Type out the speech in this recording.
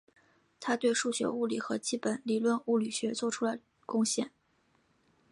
他对数学物理和基本理论物理学做出了贡献。